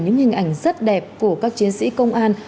những hình ảnh rất đẹp của các chiến sĩ công an